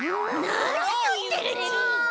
なにいってるの。